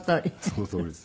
そのとおりです。